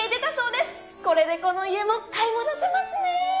これでこの家も買い戻せますねェー！